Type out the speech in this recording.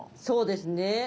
そうですね。